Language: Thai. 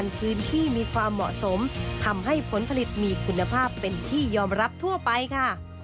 พื้นที่มีความเหมาะสมทำให้ผลผลิตมีคุณภาพเป็นที่ยอมรับทั่วไปค่ะ